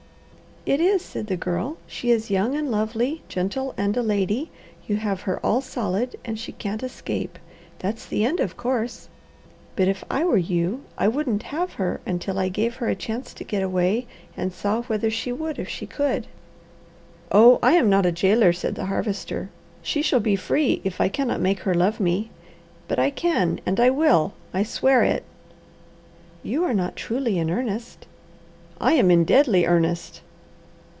"It is," said the Girl. "She is young and lovely, gentle and a lady, you have her 'all solid,' and she can't 'escape'; that's the end, of course. But if I were you, I wouldn't have her until I gave her a chance to get away, and saw whether she would if she could." "Oh I am not a jailer," said the Harvester. "She shall be free if I cannot make her love me; but I can, and I will; I swear it." "You are not truly in earnest?" "I am in deadly earnest."